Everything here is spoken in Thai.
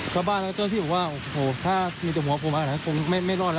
ก็บ้านแล้วเจ้าที่บอกว่าโอ้โหถ้ามีแต่หัวผมอาหารคงไม่ไม่รอดแล้ว